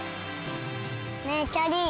ねえきゃりー